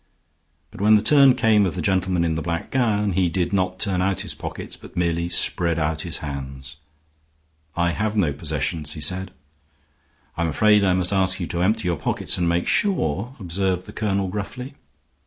But when the turn came of the gentleman in the black gown, he did not turn out his pockets, but merely spread out his hands. "I have no possessions," he said. "I'm afraid I must ask you to empty your pockets and make sure," observed the colonel, gruffly.